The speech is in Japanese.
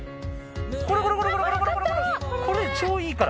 これ超いいから！